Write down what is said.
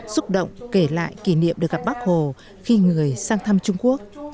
xúc động kể lại kỷ niệm được gặp bác hồ khi người sang thăm trung quốc